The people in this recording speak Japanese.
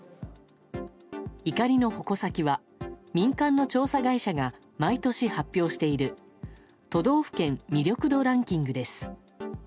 怒りの矛先は、民間の調査会社が毎年発表している都道府県魅力度ランキングです。